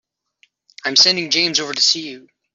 I'm sending James over to see you.